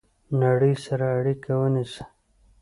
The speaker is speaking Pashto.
نړۍ سره اړیکه ونیسئ